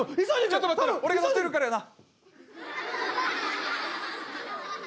ちょっと待ってろ俺が取ってくるからな！